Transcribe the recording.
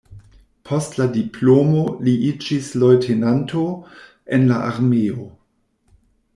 Post la diplomo li iĝis leŭtenanto en la armeo.